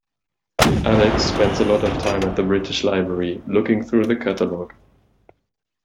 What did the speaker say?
Alex spends a lot of time at the British Library, looking through the catalogue.